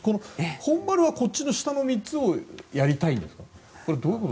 本丸はこっちの下の３つをやりたいんですか？